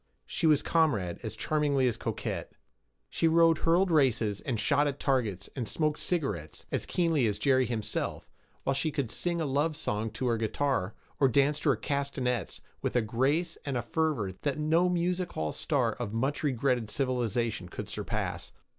She was comrade as charmingly as coquette. She rode hurdle races, and shot at targets, and smoked cigarettes, as keenly as Jerry himself, while she could sing a love song to her guitar, or dance to her castanets, with a grace and a fervor that no music hall star of a much regretted civilization could surpass.